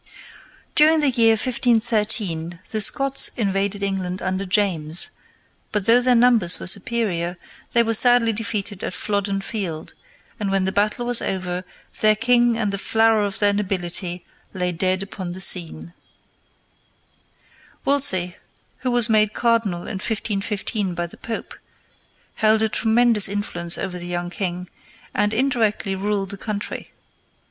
During the year 1513 the Scots invaded England under James, but though their numbers were superior, they were sadly defeated at Flodden Field, and when the battle was over their king and the flower of their nobility lay dead upon the scene. [Illustration: WOLSEY OUTSHINES THE KING.] Wolsey, who was made cardinal in 1515 by the Pope, held a tremendous influence over the young king, and indirectly ruled the country.